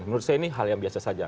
menurut saya ini hal yang biasa saja